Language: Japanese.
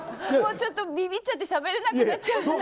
ちょっと、ビビっちゃってしゃべれなくなっちゃう。